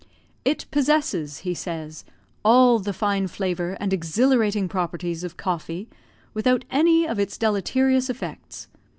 "It possesses," he says, "all the fine flavour and exhilarating properties of coffee, without any of its deleterious effects.